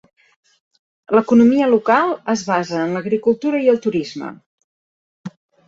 L'economia local es basa en l'agricultura i el turisme.